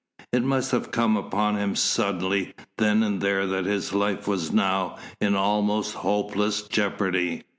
It must have come upon him suddenly then and there that his life was now in almost hopeless jeopardy.